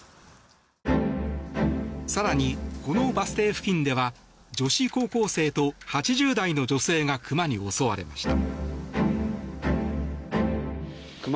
更に、このバス停付近では女子高校生と８０代の女性が熊に襲われました。